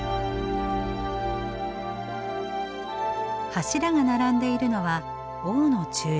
柱が並んでいるのは王の柱廊。